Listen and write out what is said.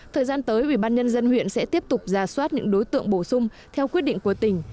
thời gian tới ủy ban nhân dân huyện sẽ tiếp tục ra soát những đối tượng bổ sung theo quyết định của tỉnh